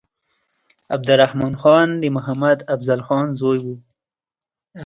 عبدالرحمن خان د محمد افضل خان زوی وو.